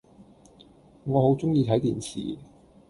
我好鍾意睇電視